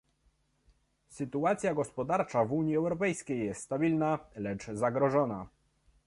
Sytuacja gospodarcza w Unii Europejskiej jest stabilna, lecz zagrożona